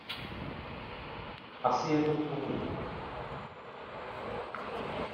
Asi je to v pohodě.